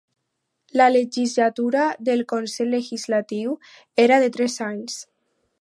La legislatura del consell legislatiu era de tres anys.